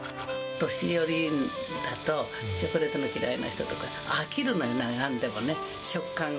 年寄りだと、チョコレートの嫌いな人とか、飽きるのよ、なんでもね、食感が